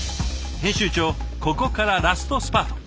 編集長ここからラストスパート。